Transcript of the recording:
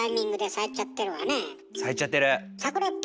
咲いちゃってる！